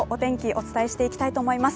お伝えしていきたいと思います。